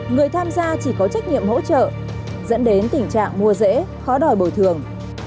người tham gia chỉ có trách nhiệm hỗ trợ dẫn đến tình trạng mua dễ khó đòi bồi thường